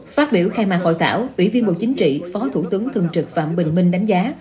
phát biểu khai mạc hội thảo ủy viên bộ chính trị phó thủ tướng thường trực phạm bình minh đánh giá